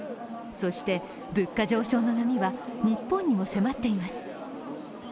そして物価上昇の波は日本にも迫っています。